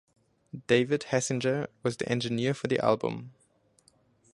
David Hassinger was the engineer for the album.